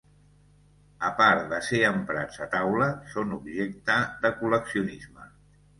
A part de ser emprats a taula, són objecte de col·leccionisme.